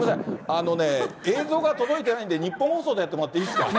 あのね、映像が届いてないんで、ニッポン放送でやってもらっていいですか？